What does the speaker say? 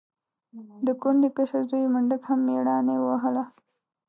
د کونډې کشر زوی منډک هم مېړانې ووهله.